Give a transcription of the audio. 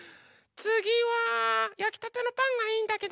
つぎはやきたてのパンがいいんだけど。